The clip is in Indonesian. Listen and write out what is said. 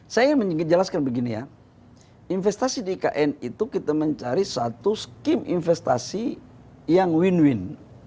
saya ingin jelaskan begini ya investasi di ikn itu kita mencari satu scheme investasi yang win win